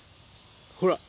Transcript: ほら！